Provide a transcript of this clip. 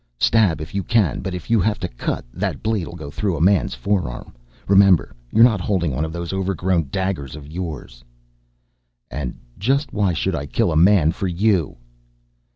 "Stab if you can, but if you have to cut, that blade'll go through a man's forearm. Remember you're not holding one of those overgrown daggers of yours." "And just why should I kill a man for you?"